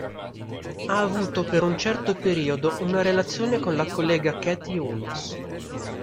Ha avuto per un certo periodo una relazione con la collega Katie Holmes.